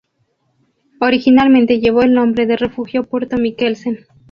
Originalmente llevó el nombre de refugio Puerto Mikkelsen.